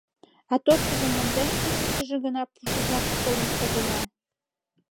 А тоштыжым монден, ушыштыжо гына пушыжак кодын огыла.